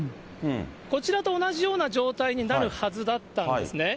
こちらと同じような状態になるはずだったんですね。